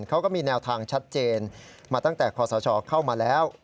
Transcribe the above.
เขาก็มีแนวทางชัดเจนมาตั้งแต่คอสชเข้ามาแล้ว